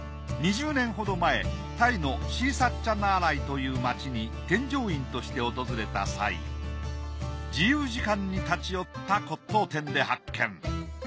２０年ほど前タイのシーサッチャナーライという街に添乗員として訪れた際自由時間に立ち寄った骨董店で発見。